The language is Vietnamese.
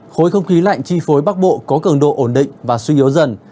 khối không khí lạnh chi phối bắc bộ có cường độ ổn định và suy yếu dần